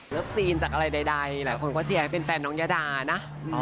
ซีนจากอะไรใดหลายคนก็เชียร์ให้เป็นแฟนน้องยาดานะ